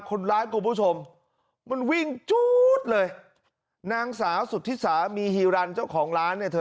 คุณผู้ชมมันวิ่งจู๊ดเลยนางสาวสุธิสามีฮีรันเจ้าของร้านเนี่ยเธอ